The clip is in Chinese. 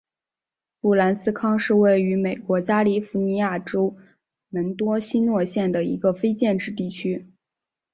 布兰斯康是位于美国加利福尼亚州门多西诺县的一个非建制地区。